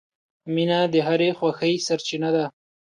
• مینه د هرې خوښۍ سرچینه ده.